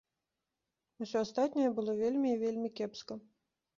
Усё астатняе было вельмі і вельмі кепска.